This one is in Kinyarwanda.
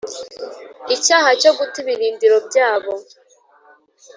icyaha cyo guta ibirindiro byabo.